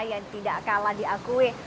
yang tidak kalah diakui